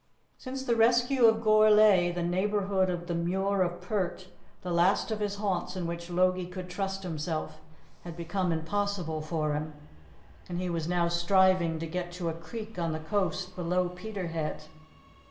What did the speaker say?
Since the rescue of Gourlay the neighbourhood of the Muir of Pert the last of his haunts in which Logie could trust himself had become impossible for him, and he was now striving to get to a creek on the coast below Peterhead.